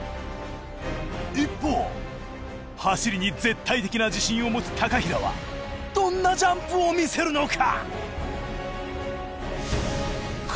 一方走りに絶対的な自信を持つ平はどんなジャンプを見せるのか？